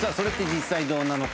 実際どうなの課」